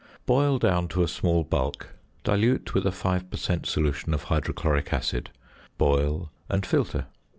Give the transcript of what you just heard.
Boil down to a small bulk, dilute with a 5 per cent. solution of hydrochloric acid, boil, and filter.